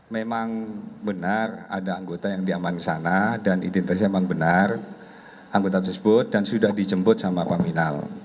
memang benar ada anggota yang diaman ke sana dan identitasnya memang benar anggota tersebut dan sudah dijemput sama paminal